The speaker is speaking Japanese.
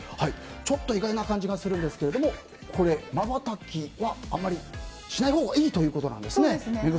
ちょっと意外な感じがするんですがまばたきはあまりしないほうがいいということなんですね。